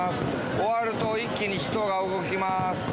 終わると一気に人が動きます。